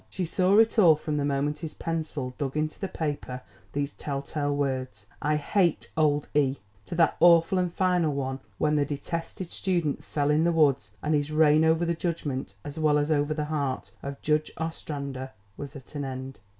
She saw it all from the moment his pencil dug into the paper these tell tale words: I HATE OLD E to that awful and final one when the detested student fell in the woods and his reign over the judgment, as well as over the heart, of Judge Ostrander was at an end.